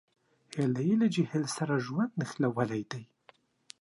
هیلۍ له جهیل سره ژوند نښلولی دی